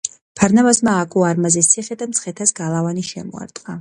ფარნავაზმა ააგო არმაზის ციხე და მცხეთას გალავანი შემოარტყა.